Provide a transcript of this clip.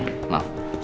pak pak pak pak pak